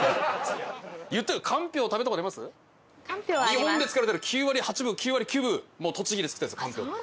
日本で作られてる９割８分９割９分栃木で作ってるんですかんぴょうって。